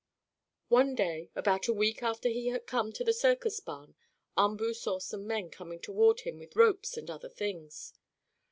One day, about a week after he had come to the circus barn, Umboo saw some men coming toward him with ropes and other things.